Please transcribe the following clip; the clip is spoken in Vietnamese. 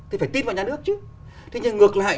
thì phải tin vào nhà nước chứ thế nhưng ngược lại